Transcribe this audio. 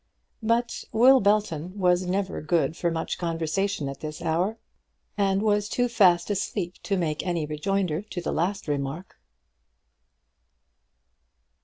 But Will Belton was never good for much conversation at this hour, and was too fast asleep to make any rejoinder to the last remark.